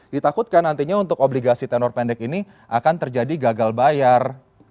ditakutkan nantinya untuk obligasi tenor pendek ini akan terjadi gagal bayar